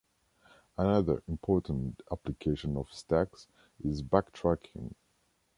Another important application of stacks is backtracking.